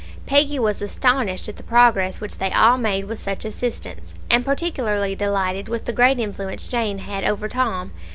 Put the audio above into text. Peggy was astonished at the progress which they all made with such assistance, and particularly delighted with the great influence Jane had over Tom.